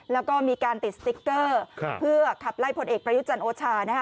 แล้วก็มีการติดสติ๊กเกอร์เพื่อขับไล่พลเอกประยุจันทร์โอชานะฮะ